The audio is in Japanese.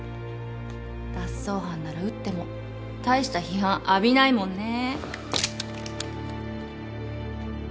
脱走犯なら撃っても大した批判浴びないもんね。